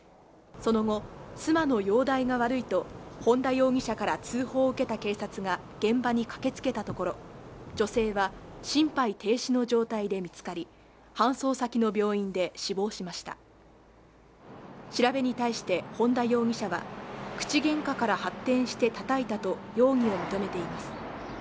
その後妻の容体が悪いと本田容疑者から通報を受けた警察が現場に駆けつけたところ女性は心肺停止の状態で見つかり搬送先の病院で死亡しました調べに対して本田容疑者は口喧嘩から発展してたたいたと容疑を認めています